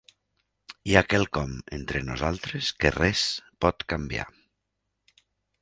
Hi ha quelcom entre nosaltres que res pot canviar.